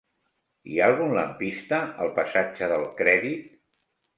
Hi ha algun lampista al passatge del Crèdit?